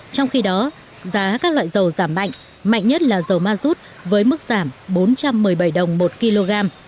trong khi đó giá các loại dầu giảm mạnh mạnh nhất là dầu ma rút với mức giảm bốn trăm một mươi bảy đồng một kg